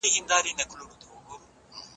د ښځو چارو کمیسیون ولي مهم دی؟